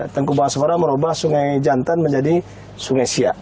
tengku bahasa farah merubah sungai jantan menjadi sungai siak